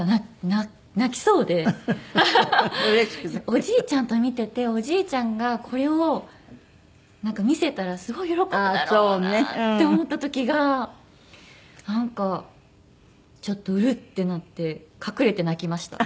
おじいちゃんと見ていておじいちゃんがこれを見せたらすごい喜ぶだろうなって思った時がなんかちょっとウルッてなって隠れて泣きました。